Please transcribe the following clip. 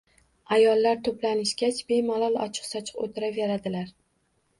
Ayollar to'planishgach, bemalol ochiq-sochiq o'tiraveradilar.